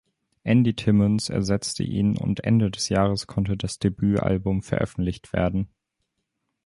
Andy Timmons ersetzte ihn, und Ende des Jahres konnte das Debütalbum veröffentlicht werden.